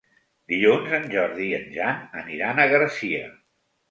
Dilluns en Jordi i en Jan aniran a Garcia.